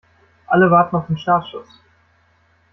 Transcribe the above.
Alle warten auf den Startschuss.